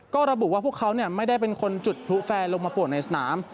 ก็ระบุว่าพวกเขาไม่ได้เป็นคนจุดพลุแฟร์ลงมาปวดในสนาม